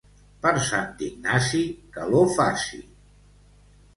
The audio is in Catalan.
Per Sant Ignasi, calor faci.